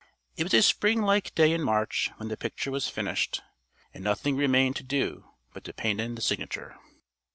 It was a spring like day in March when the picture was finished, and nothing remained to do but to paint in the signature.